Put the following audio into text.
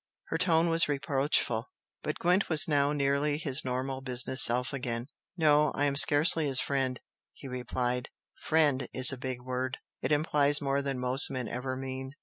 Her tone was reproachful. But Gwent was now nearly his normal business self again. "No, I am scarcely his friend" he replied "'Friend' is a big word, it implies more than most men ever mean.